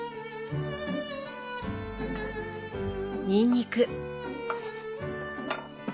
にんにく。